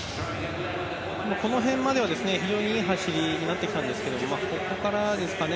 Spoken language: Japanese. この辺までは非常に走りになってきたんですけれど、ここからですかね。